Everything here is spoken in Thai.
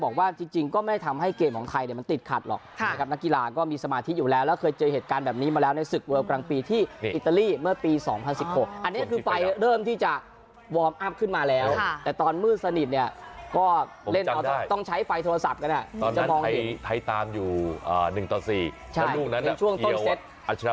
ของไทยเนี่ยมันติดขัดหรอกครับนักกีฬาก็มีสมาธิตอยู่แล้วแล้วเคยเจอเหตุการณ์แบบนี้มาแล้วในศึกเวิร์ดกลางปีที่อิตาลีเมื่อปีสองพันสิบหกอันนี้คือไฟเริ่มที่จะวอร์มอัพขึ้นมาแล้วแต่ตอนมืดสนิทเนี่ยก็เล่นต้องใช้ไฟโทรศัพท์กันอ่ะตอนนั้นไทยตามอยู่อ่าหนึ่งตอนสี่ใช่แล้วลูกนั้น